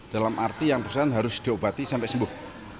dalam arti yang bersangkutan harus diobati sampai sembuh